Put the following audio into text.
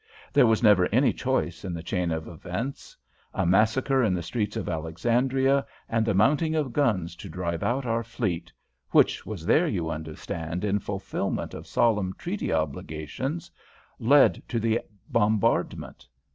There was never any choice in the chain of events. A massacre in the streets of Alexandria, and the mounting of guns to drive out our fleet which was there, you understand, in fulfilment of solemn treaty obligations led to the bombardment.